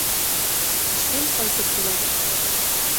Эштән ҡайтып киләм.